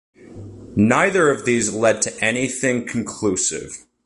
Neither of these led to anything conclusive.